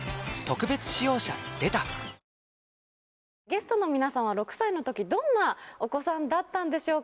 ゲストの皆さんは６歳の時どんなお子さんだったんでしょうか？